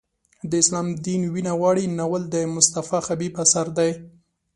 د اسلام دین وینه غواړي ناول د مصطفی خبیب اثر دی.